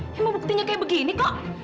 eh emang buktinya kayak begini kok